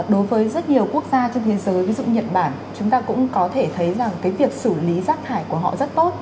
đối với rất nhiều quốc gia trên thế giới ví dụ nhật bản chúng ta cũng có thể thấy rằng cái việc xử lý rác thải của họ rất tốt